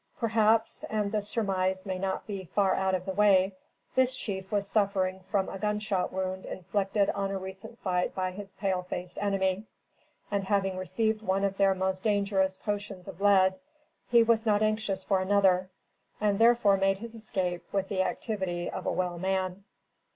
Perhaps, and the surmise may not be far out of the way, this chief was suffering from a gun shot wound inflicted in a recent fight by his pale faced enemy, and having received one of their most dangerous potions of lead, he was not anxious for another, and therefore made his escape with the activity of a well man.